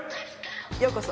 ようこそ。